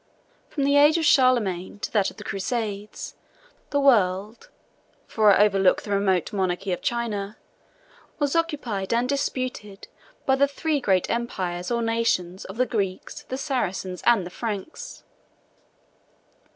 From the age of Charlemagne to that of the Crusades, the world (for I overlook the remote monarchy of China) was occupied and disputed by the three great empires or nations of the Greeks, the Saracens, and the Franks.